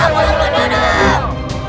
hidup berjaya bangunan